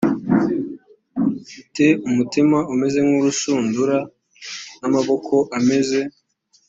te umutima umeze nk urushundura n amaboko ameze